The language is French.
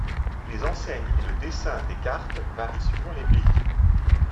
Les enseignes et le dessin des cartes varient suivant les pays.